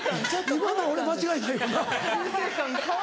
今の俺間違いないよな。